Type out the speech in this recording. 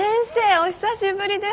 お久しぶりです。